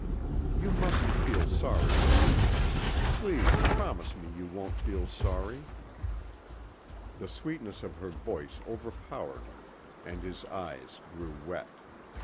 "You mustn't feel sorry, Hugh. Please promise me you won't feel sorry...." The sweetness of her voice overpowered him and his eyes grew wet.